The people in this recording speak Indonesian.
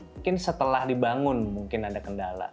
mungkin setelah dibangun mungkin ada kendala